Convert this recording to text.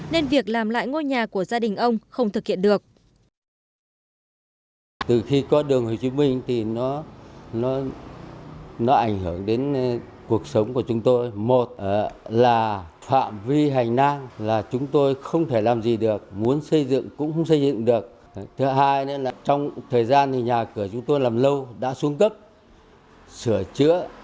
nên việc làm lại ngôi nhà của gia đình ông không thực hiện được